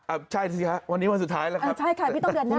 อ่ะใช่สิฮะวันนี้มันสุดท้ายแล้วครับอ่าใช่ค่ะพี่ต้องเดือนหน้าแล้วค่ะ